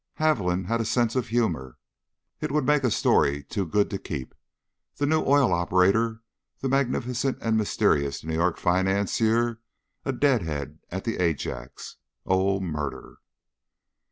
Haviland had a sense of humor; it would make a story too good to keep the new oil operator, the magnificent and mysterious New York financier, a "deadhead" at the Ajax. Oh, murder!